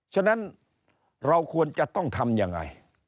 ฉะนั้นเราควรจะต้องทำยังไง